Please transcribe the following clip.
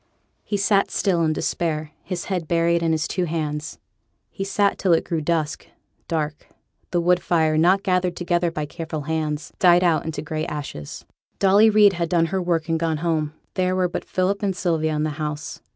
He sate still in despair, his head buried in his two hands. He sate till it grew dusk, dark; the wood fire, not gathered together by careful hands, died out into gray ashes. Dolly Reid had done her work and gone home. There were but Philip and Sylvia in the house.